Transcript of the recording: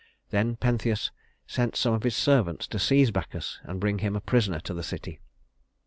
Then Pentheus sent some of his servants to seize Bacchus and bring him a prisoner to the city.